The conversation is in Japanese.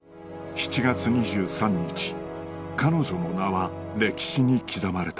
７月２３日彼女の名は歴史に刻まれた